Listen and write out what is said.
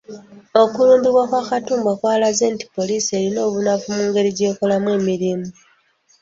Okulumbibwa kwa Katumba kwalaze nti poliisi erina obunafu mu ngeri gy’ekolamu emirimu.